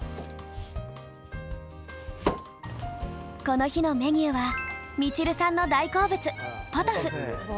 この日のメニューはみちるさんの大好物ポトフ。